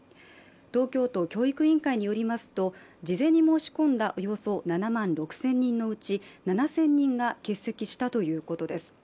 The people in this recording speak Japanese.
東京都教育委員会によりますと事前に申し込んだおよそ７万６０００人のうち、７０００人が欠席したということです。